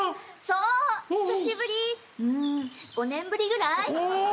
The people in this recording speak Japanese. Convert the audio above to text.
うーん５年ぶりぐらい？